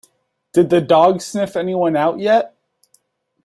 Did the dog sniff anyone out yet?